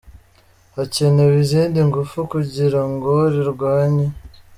Hakenewe izindi ngufu kugira ngo rirwanywe.